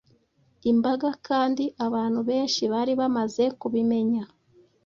imbaga kandi abantu benshi bari bamaze kubimenya.